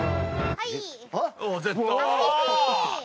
はい。